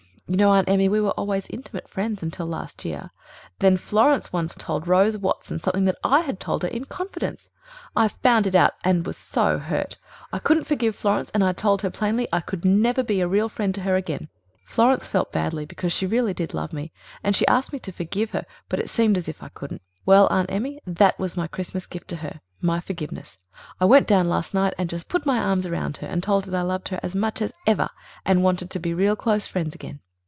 You know, Aunt Emmy, we were always intimate friends until last year. Then Florence once told Rose Watson something I had told her in confidence. I found it out and I was so hurt. I couldn't forgive Florence, and I told her plainly I could never be a real friend to her again. Florence felt badly, because she really did love me, and she asked me to forgive her, but it seemed as if I couldn't. Well, Aunt Emmy, that was my Christmas gift to her ... my forgiveness. I went down last night and just put my arms around her and told her that I loved her as much as ever and wanted to be real close friends again.